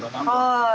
はい。